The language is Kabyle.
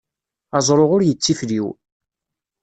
Aẓru ur yettifliw.